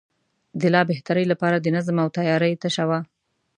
د لا بهترۍ لپاره د نظم او تیارۍ تشه وه.